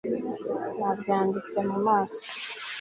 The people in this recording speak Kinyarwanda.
Nabyanditse mu maso